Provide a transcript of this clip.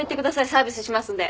サービスしますんで。